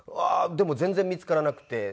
でも全然見つからなくて。